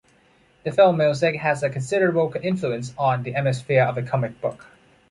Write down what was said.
The film music has a considerable influence on the atmosphere of the comic book.